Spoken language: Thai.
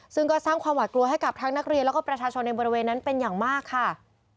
ซึ่งก็สร้างความหวาดกลัวให้กับทั้งนักเรียนแล้วก็ประชาชนในบริเวณนั้นเป็นอย่างมากค่ะ